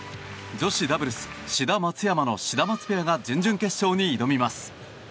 女子ダブルス志田、松山のシダマツペアが準々決勝に挑みます。